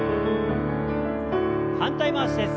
反対回しです。